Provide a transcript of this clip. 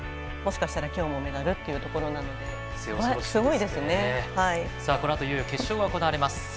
もしかしたら今日もメダルというところなのでこのあといよいよ決勝が行われます。